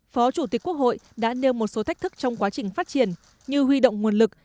phó chủ tịch quốc hội đã nêu một số thách thức trong quá trình phát triển như huy động nguồn lực